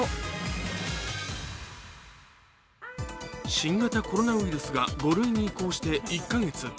新型コロナウイルスが５類に移行して１か月。